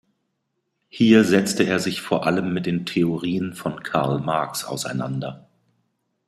Hier setzte er sich vor allem mit den Theorien von Karl Marx auseinander.